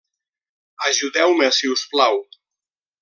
Ajudeu-me si us plau!